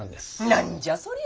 なんじゃそりゃ。